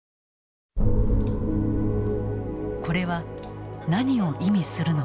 これは何を意味するのか。